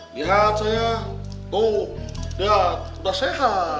lihat saya tuh lihat sudah sehat